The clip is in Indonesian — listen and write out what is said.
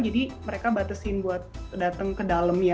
jadi mereka batasin buat datang ke dalem ya